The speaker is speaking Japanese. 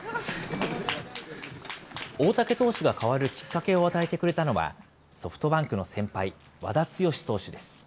大竹投手が変わるきっかけを与えてくれたのは、ソフトバンクの先輩、和田毅投手です。